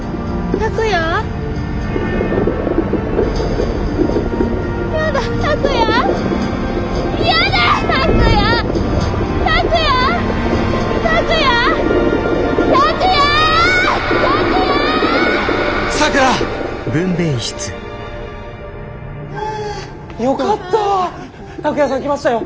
拓哉さん来ましたよ。